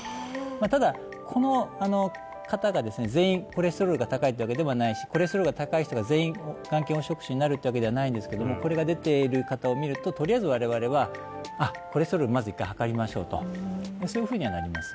ただこの方がですね全員コレステロールが高いっていうわけではないしコレステロールが高い人が全員眼瞼黄色腫になるっていうわけではないんですけどもこれが出ている方を見るととりあえず我々はそういうふうにはなります